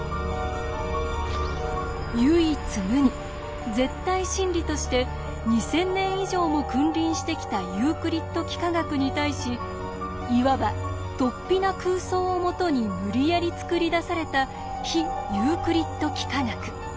唯一無二絶対真理として２，０００年以上も君臨してきたユークリッド幾何学に対しいわばとっぴな空想を基に無理やり作り出された非ユークリッド幾何学。